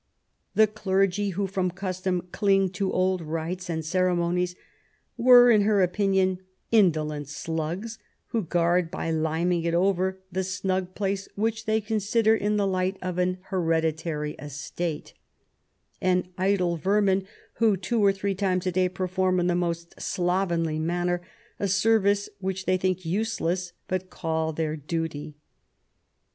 The clergy, who from custom cling to old rites and ceremonies, were, in her opinion, *' indolent slugs, who guard, by liming it over, the snug place which they consider in the light of an hereditary estate,'^ and *' idle vermin who two or three times a' day perform, in the most slovenly manner, a service which they think useless, but call their duty."